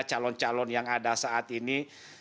calon calon yang ada saat ini